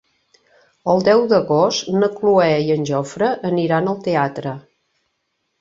El deu d'agost na Cloè i en Jofre aniran al teatre.